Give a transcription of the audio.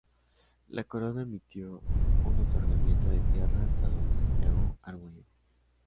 La corona emitió un otorgamiento de tierras a Don Santiago Arguello.